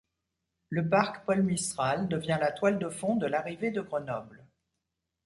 Le parc Paul-Mistral devient la toile de fond de l'arrivée de Grenoble.